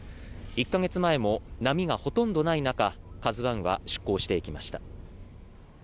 １か月前も波がほとんどない中「ＫＡＺＵ１」は出港していきました。